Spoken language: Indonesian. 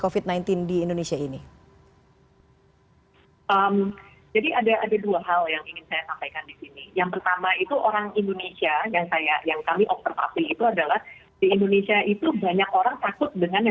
kasusnya naik jadi itu